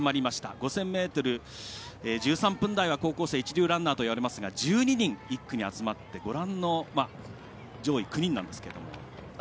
５０００ｍ１３分台は高校生一流ランナーといわれますが１２人、１区に集まってご覧の上位９人なんですが。